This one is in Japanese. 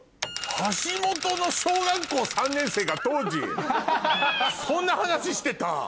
橋本の小学校３年生が当時そんな話してた？